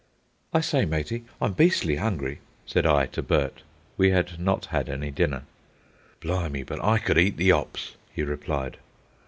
"I say, matey, I'm beastly hungry," said I to Bert. We had not had any dinner. "Blimey, but I could eat the 'ops," he replied.